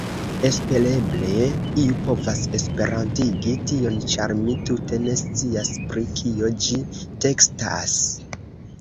Espereble, iu povas esperantigi tion ĉar mi tute ne scias, pri kio ĝi tekstas